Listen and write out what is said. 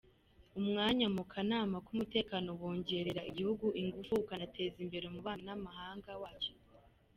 Umwanya mu Kanama k’Umutekano wongerera igihugu ingufu ukanateza imbere umubano n’amahanga wacyo.